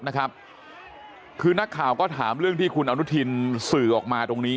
นะครับคือนักข่าวก็ถามเรื่องที่คุณอนุทินสื่อออกมาตรงนี้